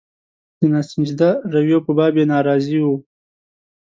د ناسنجیده رویو په باب یې ناراضي وو.